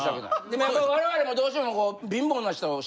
でもやっぱり我々もどうしても。